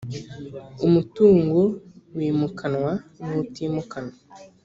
umutungo wimikanwa n utimukanwa